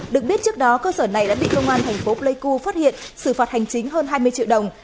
được biết trước đó cơ sở này đã bị công an thành phố pleiku phát hiện xử phạt hành chính hơn hai mươi triệu đồng